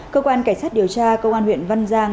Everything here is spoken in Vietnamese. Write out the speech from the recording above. cơ quan cảnh sát điều tra công an huyện văn giang